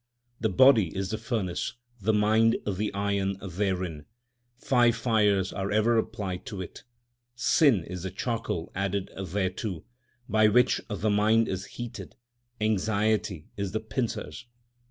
The body is the furnace, the mind the iron therein ; five fires 2 are ever applied to it. Sin is the charcoal added thereto, by which the mind is heated ; anxiety is the pincers.